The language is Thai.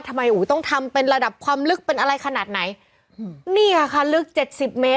อุ้ยต้องทำเป็นระดับความลึกเป็นอะไรขนาดไหนอืมนี่ค่ะลึกเจ็ดสิบเมตร